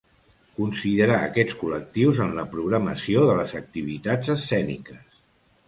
Considerar aquests col·lectius en la programació de les activitats escèniques.